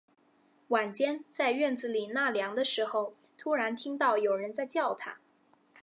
晚间，在院子里纳凉的时候，突然听到有人在叫他